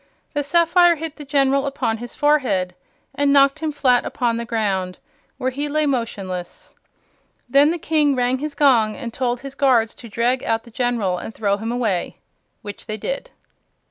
The sapphire hit the General upon his forehead and knocked him flat upon the ground, where he lay motionless. Then the King rang his gong and told his guards to drag out the General and throw him away; which they did.